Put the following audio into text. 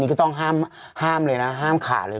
ก็ต้องห้ามเลยนะห้ามขาดเลย